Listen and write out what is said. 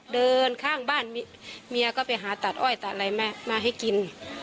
เดินข้างบ้านเมียก็ไปหาตัดอ้อยตัดอะไรมาให้กิน